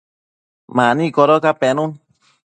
mani codoca penun